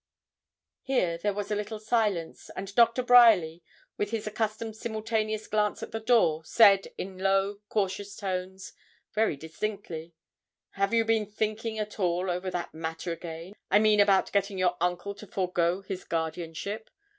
Here there was a little silence, and Doctor Bryerly, with his accustomed simultaneous glance at the door, said in low, cautious tones, very distinctly 'Have you been thinking at all over that matter again, I mean about getting your uncle to forego his guardianship?